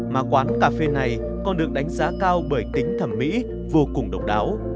mà quán cà phê này còn được đánh giá cao bởi tính thẩm mỹ vô cùng độc đáo